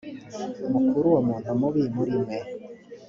mukure uwo muntu mubi muri mwe